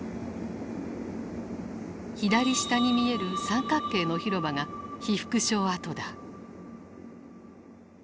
左下に見える三角形の広場が被服廠跡だ。